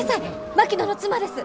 槙野の妻です！